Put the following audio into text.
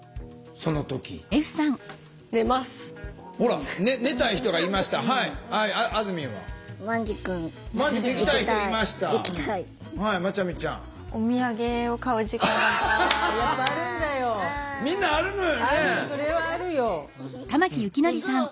それはあるよ。